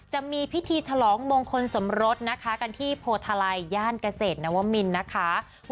จะมีพิธีฉลองมงคลสมรสนะคะกันที่โพทาลัยย่านเกษตรนวมินนะคะ